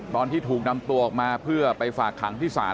ตอนที่ถูกนำตัวออกมาเพื่อไปฝากขังที่ศาล